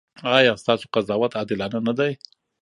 ایا ستاسو قضاوت عادلانه نه دی؟